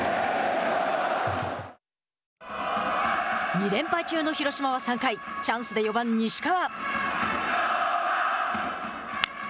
２連敗中の広島は３回チャンスで４番西川。